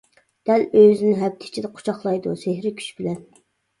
دەل ئۆزىنى ھەپتە ئىچىدە قۇچاقلايدۇ سېھرى كۈچ بىلەن.